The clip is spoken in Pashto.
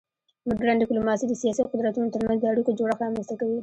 مډرن ډیپلوماسي د سیاسي قدرتونو ترمنځ د اړیکو جوړښت رامنځته کوي